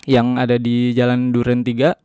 yang ada di jalan duren tiga